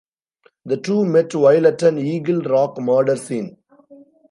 The two met while at an Eagle Rock murder scene.